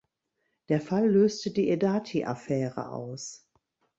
Der Fall löste die Edathy-Affäre aus.